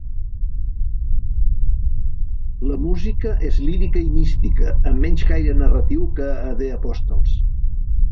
La música és lírica i mística, amb menys caire narratiu que a "The Apostles".